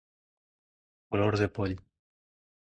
Color de poll.